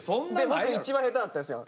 僕一番下手だったんですよ。